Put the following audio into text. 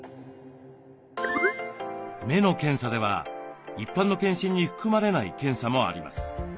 目の検査では一般の健診に含まれない検査もあります。